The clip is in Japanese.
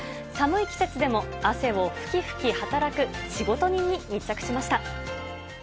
寒い季節でも汗をふきふき働く仕事人に密着しました。